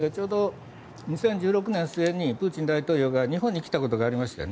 ちょうど２０１６年末にプーチン大統領が日本に来たことがありましたよね。